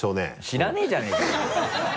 知らねぇじゃねぇかよ。